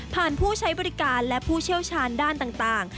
ผู้ใช้บริการและผู้เชี่ยวชาญด้านต่าง